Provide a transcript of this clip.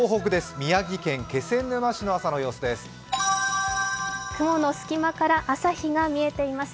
宮城県気仙沼市の朝の様子です。